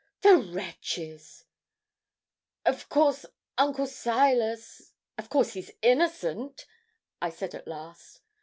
'The wretches! Of course, Uncle Silas of course, he's innocent?' I said at last.